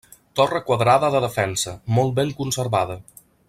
Torre quadrada de defensa, molt ben conservada.